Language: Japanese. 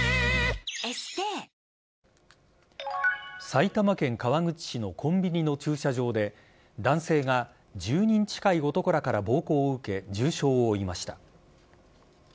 埼玉県川口市のコンビニの駐車場で男性が１０人近い男らから暴行を受け重傷を負いました。